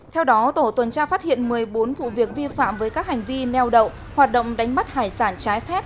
theo đó tổ tuần tra phát hiện một mươi bốn vụ việc vi phạm với các hành vi neo đậu hoạt động đánh bắt hải sản trái phép